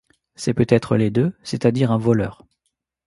C’est peut-être les deux, c’est-à-dire un voleur.